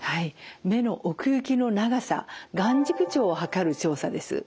目の奥行きの長さ眼軸長を測る調査です。